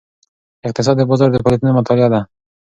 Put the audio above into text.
اقتصاد د بازار د فعالیتونو مطالعه ده.